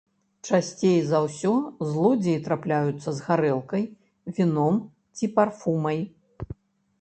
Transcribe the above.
Часцей за ўсё злодзеі трапляюцца з гарэлкай, віном ці парфумай.